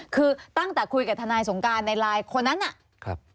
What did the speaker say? คือตั้งแต่คุยกับทนายสงการในไลน์คนนั้นน่ะ